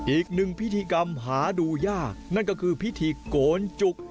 อีกหนึ่งพิธีกรรมหาดูยากนั่นก็คือพิธีโกนจุก